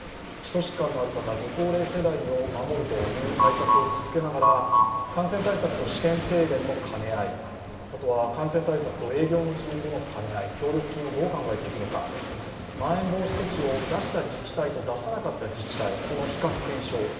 基礎疾患のある方ご高齢世代を守るという対策を続けながら、感染対策と私権制限の兼ね合いあとは感染対策と営業の自由との兼ね合い、協力金をどう考えていくのかまん延防止等重点措置を出した自治体出さなかった自治体の比較・検証